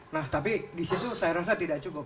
nah tapi disitu saya rasa tidak cukup